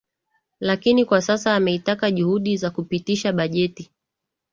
lakini kwa sasa ameitaka juhudi za kupitisha bajeti